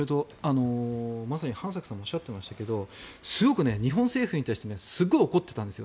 まさに飯作さんもおっしゃっていましたがすごく日本政府に対してすごく怒っていたんですよ。